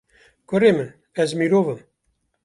Kurê min, ez mirov im.